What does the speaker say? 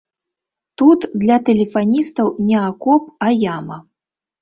Тут для тэлефаністаў не акоп, а яма.